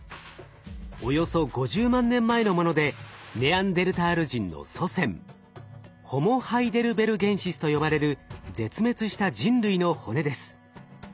およそ５０万年前のものでネアンデルタール人の祖先ホモ・ハイデルベルゲンシスと呼ばれる絶滅した人類の骨です。